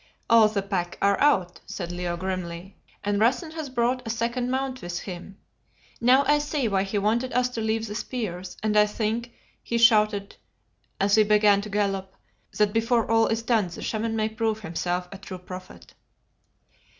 "All the pack are out," said Leo grimly, "and Rassen has brought a second mount with him. Now I see why he wanted us to leave the spears, and I think," he shouted as we began to gallop, "that before all is done the Shaman may prove himself a true prophet."